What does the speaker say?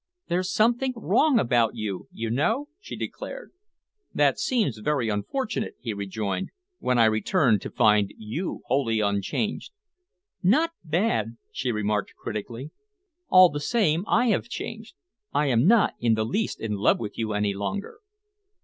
"There's something wrong about you, you know," she declared. "That seems very unfortunate," he rejoined, "when I return to find you wholly unchanged." "Not bad," she remarked critically. "All the same, I have changed. I am not in the least in love with you any longer."